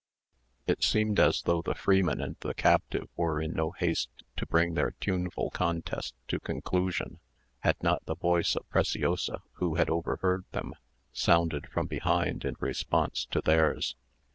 It seemed as though the freeman and the captive were in no haste to bring their tuneful contest to conclusion, had not the voice of Preciosa, who had overheard them, sounded from behind in response to theirs.